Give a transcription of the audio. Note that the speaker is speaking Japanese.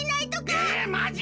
えまじ！？